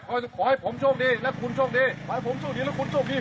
ขอให้ผมโชคดีและคุณโชคดีขอให้ผมโชคดีแล้วคุณโชคดี